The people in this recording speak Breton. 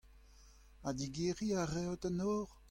Ha digeriñ a reot an nor ?